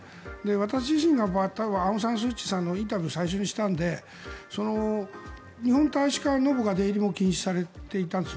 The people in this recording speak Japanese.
私自身がアウンサンスーチーさんのインタビューを最初にしたので日本大使館に僕は出入りも禁止されていたんです。